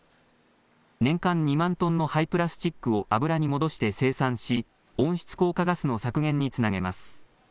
年間２万トンの廃プラスチックを油に戻して生産し温室効果ガスの削減につなげます。